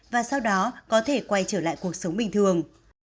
và sau đó có thể quay trở lại cuộc sống bình thường